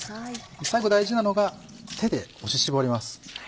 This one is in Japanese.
最後大事なのが手で押し絞ります。